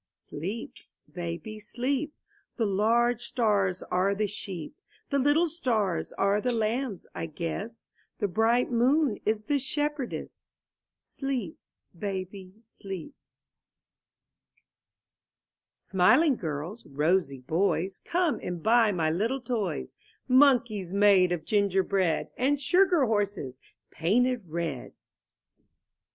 Sleep, baby, sleep! ' The large stars are the sheep; The little stars are the lambs, I guess; The bright moon is the shepherdess. Sleep, baby, sleep. — Elizabeth Prentiss i8 IN THE NURSERY QMILING girls, rosy boys, ^ Come and buy my little toys; Monkeys made of ginger bread, And sugar horses painted red.